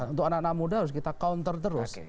untuk anak anak muda harus kita counter terus